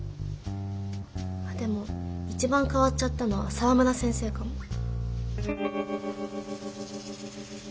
でも一番変わっちゃったのは沢村先生かも。